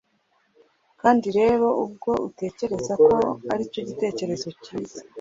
Kandi rero ubwo utekereza ko aricyo gitekerezo cyiza